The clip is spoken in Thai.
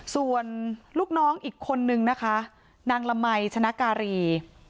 ส่วนลูกน้องอีกคนนึงนะคะนางละมัยชนะการี